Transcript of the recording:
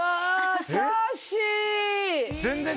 優しい！